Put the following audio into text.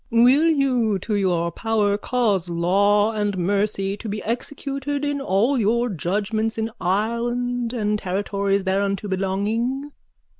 _ Will you to your power cause law and mercy to be executed in all your judgments in Ireland and territories thereunto belonging?